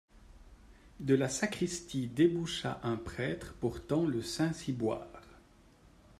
De la sacristie déboucha un prêtre portant le saint-ciboire.